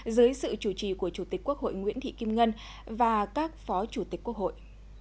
dưới sự chủ trì của chủ tịch quốc hội nguyễn thị kim ngân và các phó chủ tịch quốc hội